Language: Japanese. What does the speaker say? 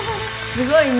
すごいね！